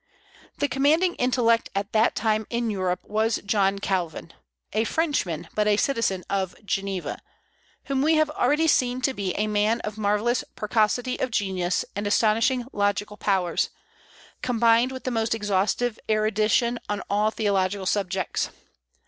The commanding intellect at that time in Europe was John Calvin (a Frenchman, but a citizen of Geneva), whom we have already seen to be a man of marvellous precocity of genius and astonishing logical powers, combined with the most exhaustive erudition on all theological subjects.